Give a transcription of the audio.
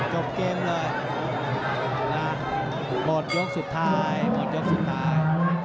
จบเกมเลยนะหมดยกสุดท้ายหมดยกสุดท้าย